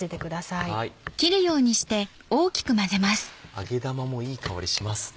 揚げ玉もいい香りしますね。